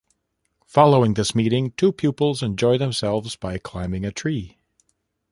Following this meeting, two pupils enjoy themselves by climbing in a tree.